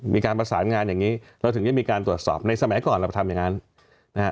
มีการประสานงานอย่างนี้เราถึงได้มีการตรวจสอบในสมัยก่อนเราไปทำอย่างนั้นนะฮะ